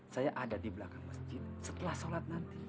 saya ada di belakang masjid setelah sholat nanti